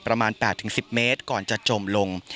ประมาณ๘๑๐เมตรก่อนจะจมลง